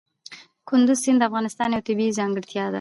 کندز سیند د افغانستان یوه طبیعي ځانګړتیا ده.